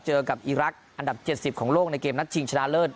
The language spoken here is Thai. เจอกับอีรักษ์อันดับ๗๐ของโลกในเกมนัดชิงชนะเลิศ